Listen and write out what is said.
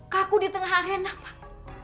kaku di tengah arena pak